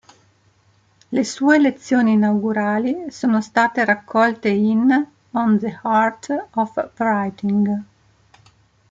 Le sue lezioni inaugurali sono state raccolte in "On the Art of Writing".